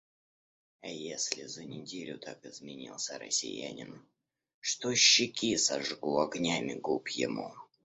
А если за неделю так изменился россиянин, что щеки сожгу огнями губ ему.